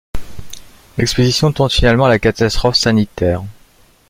L'expédition tourne finalement à la catastrophe sanitaire.